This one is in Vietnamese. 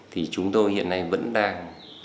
thì chúng tôi hiện nay vẫn đang